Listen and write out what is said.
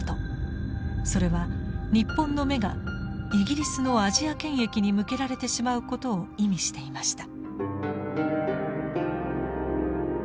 それは日本の目がイギリスのアジア権益に向けられてしまうことを意味していました。